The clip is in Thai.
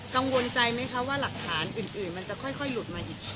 กังวลใจไหมคะว่าหลักฐานอื่นมันจะค่อยหลุดมาอีก